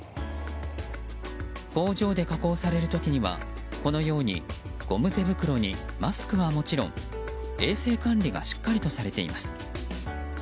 工場で加工される時にはこのように、ゴム手袋にマスクはもちろん衛生管理がしっかりとされています。